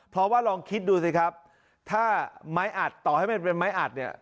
เพราะว่าลองคิดดูสิครับถ้าไม้อัดต่อให้มันเป็นไม้อัดเนี่ย